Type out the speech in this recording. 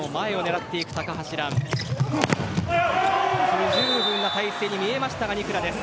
不十分な体勢に見えましたがニクラです。